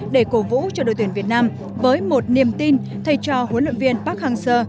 để cổ vũ cho đội tuyển việt nam với một niềm tin thay cho huấn luyện viên park hang seo